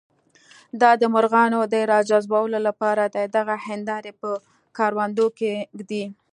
دا د مرغانو د راجذبولو لپاره دي، دغه هندارې په کروندو کې ږدي.